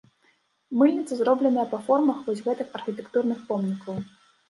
Мыльніца зробленая па формах вось гэтых архітэктурных помнікаў.